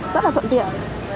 rất là thuận tiện